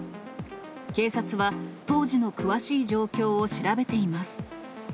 警察は当時の詳しい状況を調べています。